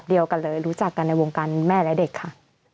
เรารู้จักกันในวงการแม่และเด็กค่ะ